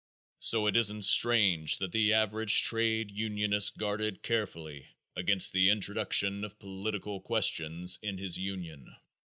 So it isn't strange that the average trade unionist guarded carefully against the introduction of political questions in his union.